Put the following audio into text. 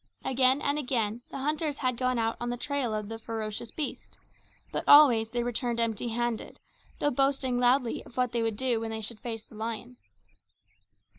Again and again the hunters had gone out on the trail of the ferocious beast; but always they returned empty handed, though boasting loudly of what they would do when they should face the lion.